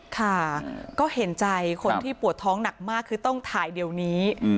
ค่ะก็เห็นใจคนที่ปวดท้องหนักมากคือต้องถ่ายเดี๋ยวนี้